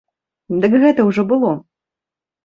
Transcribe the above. Дык гэта ўжо было.